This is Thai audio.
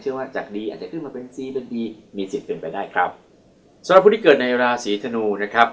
ว่าจากดีอาจจะขึ้นมาเป็นสี่เป็นดีมีสิทธิ์เป็นไปได้ครับสำหรับผู้ที่เกิดในราศีธนูนะครับ